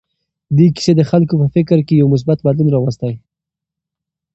دې کیسې د خلکو په فکر کې یو مثبت بدلون راوستی.